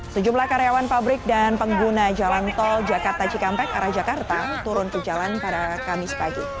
sejumlah karyawan pabrik dan pengguna jalan tol jakarta cikampek arah jakarta turun ke jalan pada kamis pagi